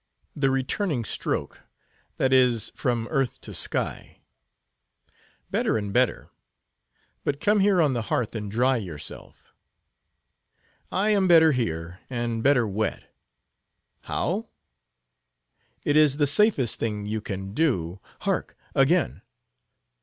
"The returning stroke; that is, from earth to sky. Better and better. But come here on the hearth and dry yourself." "I am better here, and better wet." "How?" "It is the safest thing you can do—Hark, again!